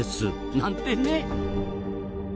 なんてね。